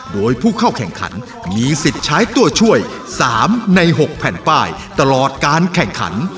โดยผู้เข้าแข่งขันมีสิทธิ์ใช้ตัวช่วย๓ใน๖แผ่นป้ายตลอดการแข่งขัน